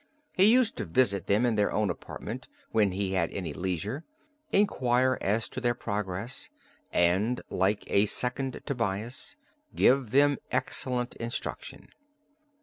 He used to visit them in their own apartment when he had any leisure, inquire as to their progress, and like a second Tobias, give them excellent instruction